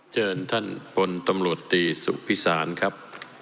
เจินท่านพลตำรวจตรีสุขภิษฐานครับ